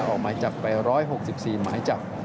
เอาไหมจับไป๑๖๔ไหมจับ